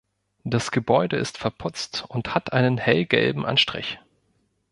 Das Gebäude ist verputzt und hat einen hellgelben Anstrich.